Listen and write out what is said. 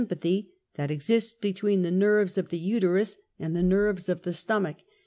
patby that exists between the nerves of the utera& and the nerves of the stomach.